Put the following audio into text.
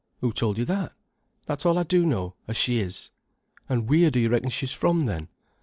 "Who told you that?" "That's all I do know, as she is." "An' wheer do you reckon she's from, then?"